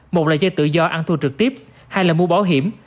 một là chơi tự do ăn thua trực tiếp hai là mua bảo hiểm